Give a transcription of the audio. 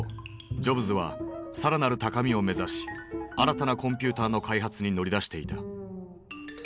ジョブズはさらなる高みを目指し新たなコンピューターの開発に乗り出していた。